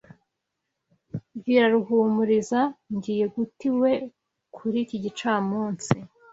Bwira Ruhumuriza ngiye guta iwe kuri iki gicamunsi.